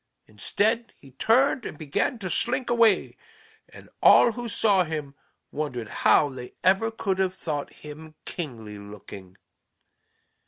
Instead he turned and began to slink away, and all who saw him wondered how they ever could have thought him kingly looking.